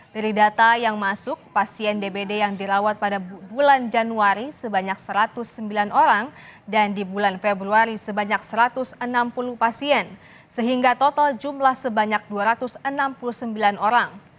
dari data yang masuk pasien dbd yang dirawat pada bulan januari sebanyak satu ratus sembilan orang dan di bulan februari sebanyak satu ratus enam puluh pasien sehingga total jumlah sebanyak dua ratus enam puluh sembilan orang